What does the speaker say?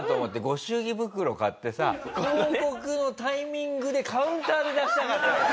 ご祝儀袋買ってさ報告のタイミングでカウンターで出したかったわけ。